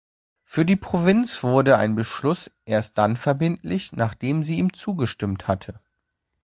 Für die Provinz wurde ein Beschluss erst dann verbindlich, nachdem sie ihm zugestimmt hatte.